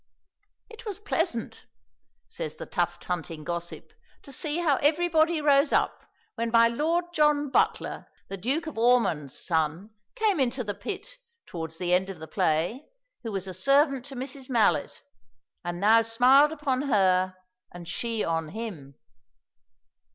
"It was pleasant," says the tuft hunting gossip, "to see how everybody rose up when my Lord John Butler, the Duke of Ormond's son, came into the pit, towards the end of the play, who was a servant to Mrs. Mallett, and now smiled upon her and she on him."